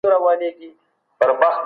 چېري د ژوندانه حقونه ډېر ګواښل کیږي؟